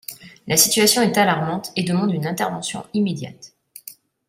La situation est alarmante et demande une intervention immédiate.